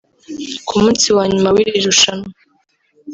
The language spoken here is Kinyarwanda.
Ku munsi wa nyuma w’iri rushanwa